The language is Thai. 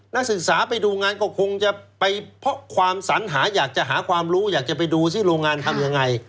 นักศึกษาไปดูงานก็คงจะไปเพราะความสัญหาอยากจะหาความรู้อยากจะไปดูซิโรงงานทำยังไง